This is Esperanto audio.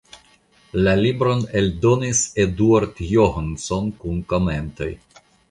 La libron eldonis Eduard Johnson kun komentoj.